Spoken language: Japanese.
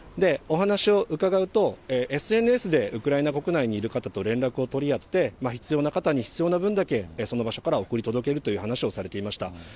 お話を伺うと、ＳＮＳでウクライナ国内にいる方と連絡を取り合って、必要な方に必要な分だけその場所から送り届けるという話をされていました。